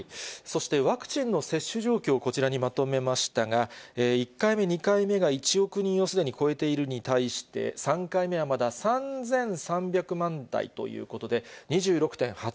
そして、ワクチンの接種状況、こちらにまとめましたが、１回目、２回目が１億人をすでに超えているのに対して、３回目はまだ３３００万台ということで、２６．８％。